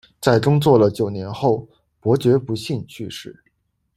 在工作了九年后，伯爵不幸去世。